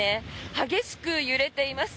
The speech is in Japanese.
激しく揺れています。